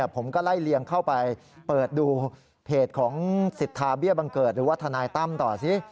ผมก็ไล่เลียงเข้าไปเปิดดูเพจของสิทธาเบี้ยบังเกิดหรือว่าทนายตั้มต่อสิ